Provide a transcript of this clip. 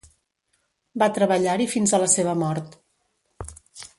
Va treballar-hi fins a la seva mort.